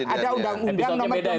ada undang undang nomor dua puluh